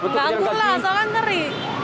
gak gua lah soalnya ngeri